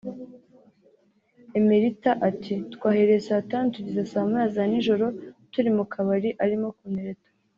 Emeritha ati” Twahereye saa tanu tugeza saa moya za nijoro turi mu kabari arimo kuntereta